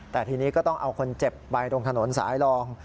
แต่ทีนี้ก็ต้องเอาคนเจ็บไปตรงถนนสายรอง